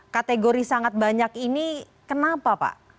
kategori sangat banyak ini kenapa pak